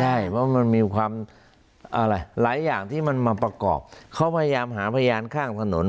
ใช่เพราะมันมีความอะไรหลายอย่างที่มันมาประกอบเขาพยายามหาพยานข้างถนน